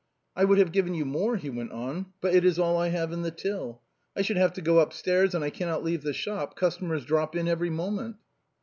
I would have given you more," he went on, " but it is all I have in the till. I should have to go upstairs and I cannot leave the shop, customers drop in every moment."